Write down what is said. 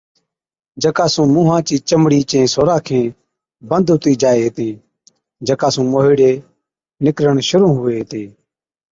جڪا سُون مُونهان چِي چمڙِي چين سوراخين بند هُتِي جائي هِتين جڪا سُون موهِيڙي نِڪرڻ شرُوع هُوي هِتي۔